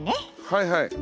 はいはい。